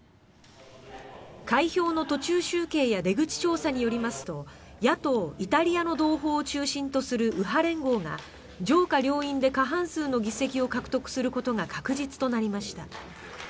開票の途中集計や出口調査によりますと野党イタリアの同胞を中心とする右派連合が上下両院で過半数の議席を獲得することが確実となりました。